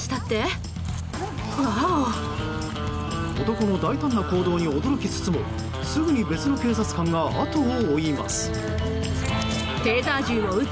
男の大胆な行動に驚きつつもすぐ別の警察官が後を追います。